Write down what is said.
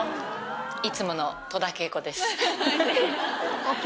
いつもの戸田恵子です。